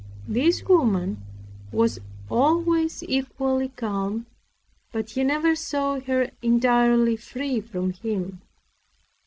This woman was always equally calm; but he never saw her entirely free from him.